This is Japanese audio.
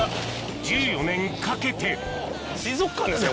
１４年かけて水族館ですね。